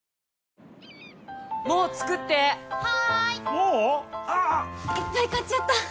もう⁉ああ・・・いっぱい買っちゃった！